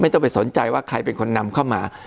ต้องไปสนใจว่าใครเป็นคนนำเข้ามา